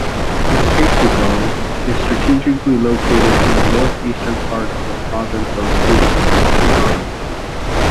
Impasugong is strategically located in the north-eastern part of the Province of Bukidnon.